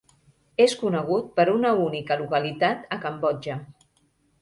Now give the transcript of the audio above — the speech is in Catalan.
És conegut per una única localitat a Cambodja.